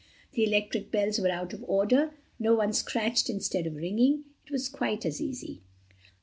The electric bells were out of order, so one scratched instead of ringing. It was quite as easy.